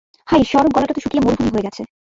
হায় ঈশ্বর, গলাটাতো শুকিয়ে মরুভূমি হয়ে গেছে।